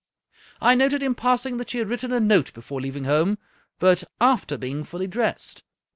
" I noted, in passing, that she had written a note before leaving home, b::t after being fully dressed.